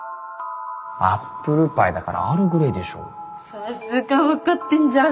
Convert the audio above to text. さすが分かってんじゃん。